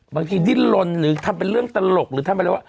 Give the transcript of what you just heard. ดิ้นลนหรือทำเป็นเรื่องตลกหรือทำอะไรว่า